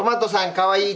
かわいい。